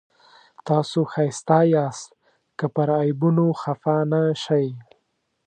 تاسو ښایسته یاست که پر عیبونو خفه نه شئ.